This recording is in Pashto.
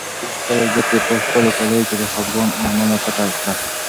هیلې خپلې ګوتې په خپلو کالیو کې د خپګان له امله پټې کړې.